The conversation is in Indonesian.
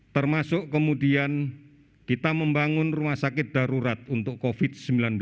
termasuk kemudian kita membangun rumah sakit darurat untuk covid sembilan belas